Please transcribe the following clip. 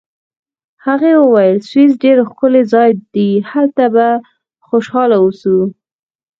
هغې وویل: سویس ډېر ښکلی ځای دی، هلته به خوشحاله واوسو.